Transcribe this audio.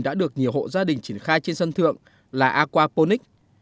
đã được nhiều hộ gia đình triển khai trên sân thượng là aquaponic